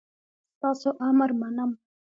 ستاسو امر منم